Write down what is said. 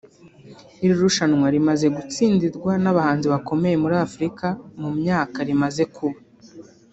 Iri rushanwa rimaze gutsindirwa n’abahanzi bakomeye muri Afurika mu myaka rimaze kuba